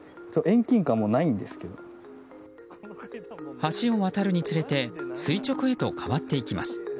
橋を渡るにつれて垂直へと変わっていきます。